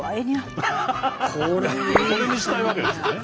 これにしたいわけですね。